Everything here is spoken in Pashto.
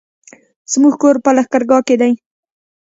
زموږ کور په لښکرګاه کی دی